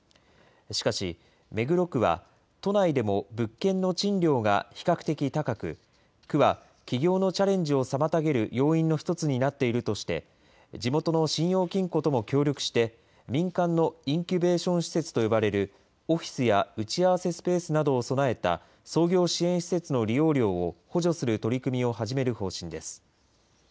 しかし、目黒区は、都内でも物件の賃料が比較的高く、区は起業のチャレンジを妨げる要因の一つになっているとして、地元の信用金庫とも協力して、民間のインキュベーション施設と呼ばれる、オフィスや打ち合わせスペースなどを備えた創業支援施設の利用料を補助する取り組みを始める方針です。